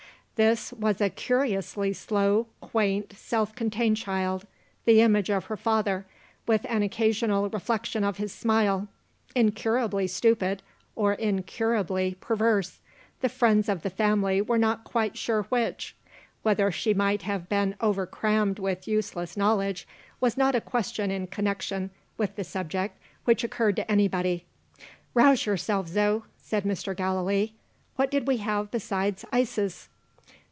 This was a curiously slow, quaint, self contained child; the image of her father, with an occasional reflection of his smile; incurably stupid, or incurably perverse the friends of the family were not quite sure which. Whether she might have been over crammed with useless knowledge, was not a question in connection with the subject which occurred to anybody. "Rouse yourself, Zo," said Mr. Gallilee. "What did we have besides ices?"